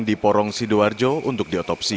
di porong sidoarjo untuk diotopsi